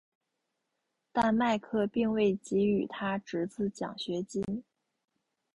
但麦克并未给予他侄子奖学金。